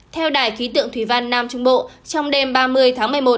theo đài khí tượng thủy văn nam trung bộ trong đêm ba mươi tháng một mươi một